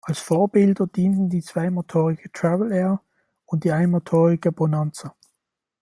Als Vorbilder dienten die zweimotorige Travel Air und die einmotorige Bonanza.